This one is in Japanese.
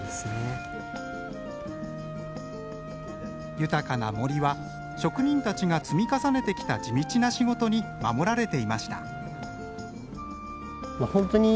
豊かな森は職人たちが積み重ねてきた地道な仕事に守られていました。